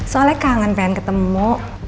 soalnya kangen pengen ketemu